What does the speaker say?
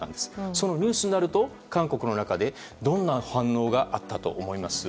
そのニュースになると韓国の中でどんな反応があったと思います？